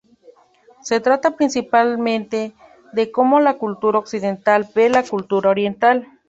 Se trata principalmente de cómo la cultura occidental ve la cultura oriental.